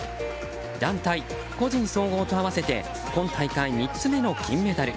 団体、個人総合と合わせて今大会３つ目の金メダル。